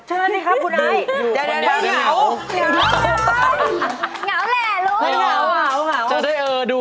เชิญนะครับคุณนาย